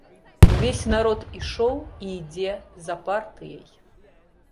Увесь народ ішоў і ідзе за партыяй.